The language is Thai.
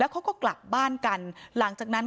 โปรดติดตามต่อไป